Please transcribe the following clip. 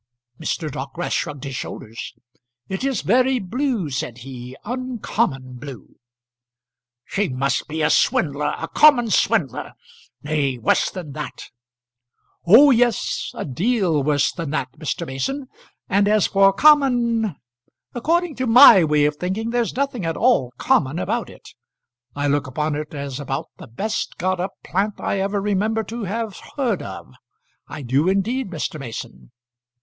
Mr. Dockwrath shrugged his shoulders. "It is very blue," said he, "uncommon blue." "She must be a swindler; a common swindler. Nay, worse than that." "Oh, yes, a deal worse than that, Mr. Mason. And as for common; according to my way of thinking there's nothing at all common about it. I look upon it as about the best got up plant I ever remember to have heard of. I do, indeed, Mr. Mason."